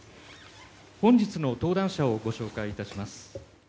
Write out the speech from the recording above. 本日の登壇者をご紹介いたします。